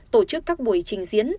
tổ chức các buổi trình diễn